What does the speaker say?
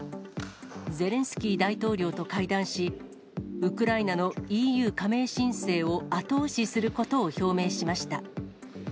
ゼレンスキー大統領と会談し、ウクライナのＥＵ加盟申請を後押しすることを表明しました。